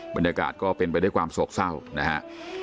บรรยากาศก็เป็นไปด้วยความโศกเนื่องเศร้า